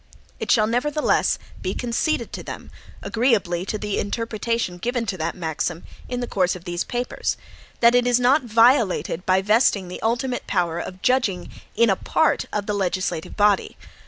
It shall, nevertheless, be conceded to them, agreeably to the interpretation given to that maxim in the course of these papers, that it is not violated by vesting the ultimate power of judging in a PART of the legislative body.